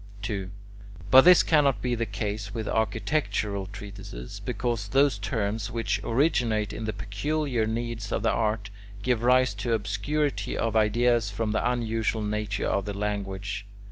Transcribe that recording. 2. But this cannot be the case with architectural treatises, because those terms which originate in the peculiar needs of the art, give rise to obscurity of ideas from the unusual nature of the language.